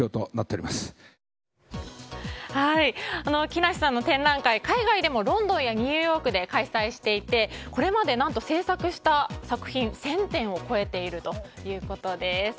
木梨さんの展覧会は海外でもロンドンやニューヨークで開催していてこれまで何と制作した作品は１０００点を超えているということです。